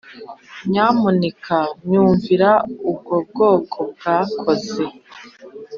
Nyamuneka nyumvira Ubwo bwoko bwakoze.